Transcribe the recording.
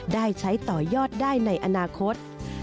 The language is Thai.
ได้ใช้ต่อยอดได้ในอนาคต